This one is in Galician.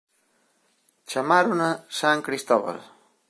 Chamárona "San Cristóbal".